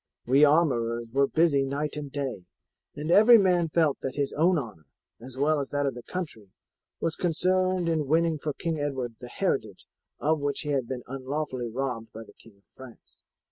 We armourers were busy night and day, and every man felt that his own honour, as well as that of the country, was concerned in winning for King Edward the heritage of which he had been unlawfully robbed by the King of France."